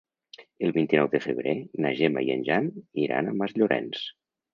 El vint-i-nou de febrer na Gemma i en Jan iran a Masllorenç.